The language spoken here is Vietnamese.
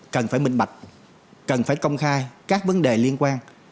cần phải minh bạch cần phải công khai các vấn đề liên quan